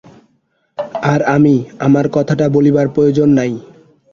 আর আমি– আমার কথাটা বলিবার প্রয়োজন নাই।